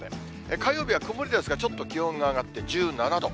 火曜日は曇りですが、ちょっと気温が上がって、１７度。